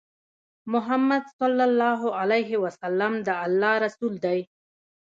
محمد صلی الله عليه وسلم د الله رسول دی